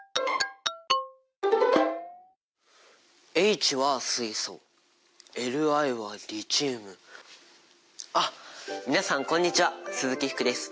Ｈは水素、Ｌｉはリチウムあ、皆さんこんにちは鈴木福です。